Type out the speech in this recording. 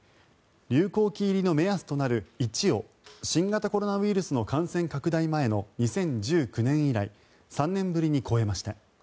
流行期入りの目安となる１を新型コロナウイルスの感染拡大前の２０１９年以来３年ぶりに超えました。